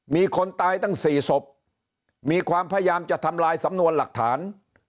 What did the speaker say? มีคนตายตั้ง๔ศพมีความพยายามจะทำลายสำนวนหลักฐาน